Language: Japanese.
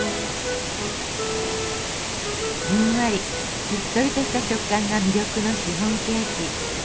ふんわりしっとりとした食感が魅力のシフォンケーキ。